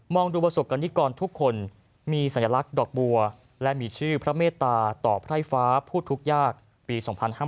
ดูประสบกรณิกรทุกคนมีสัญลักษณ์ดอกบัวและมีชื่อพระเมตตาต่อไพร่ฟ้าผู้ทุกข์ยากปี๒๕๕๙